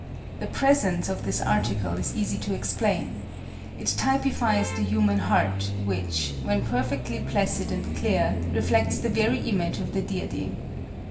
The presence of this article is easy to explain: it typifies the human heart, which, when perfectly placid and clear, reflects the very image of the Deity.